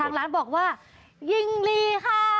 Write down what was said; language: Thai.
ร้านบอกว่ายิงลีค่ะ